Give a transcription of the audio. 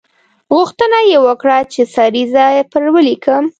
غوښتنه یې وکړه چې سریزه پر ولیکم.